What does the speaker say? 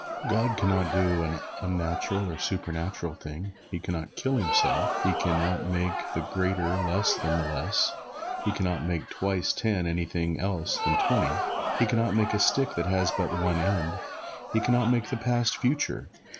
God can not do an unnatural or a supernatural thing. He can not kill Himself. He can not make the greater less than the less. He can not make twice ten anything else than twenty. He can not make a stick that has but one end. He can not make the past, future.